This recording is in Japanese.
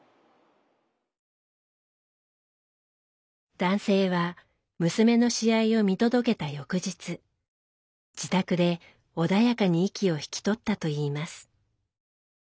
男性は娘の試合を見届けた翌日自宅で穏やかに息を引き取ったといいます。